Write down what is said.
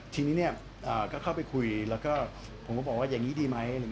ทีนี้เนี่ยก็เข้าไปคุยแล้วก็ผมก็บอกว่าอย่างนี้ดีไหม